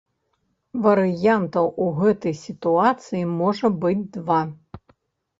Варыянтаў у гэтай сітуацыі можа быць два.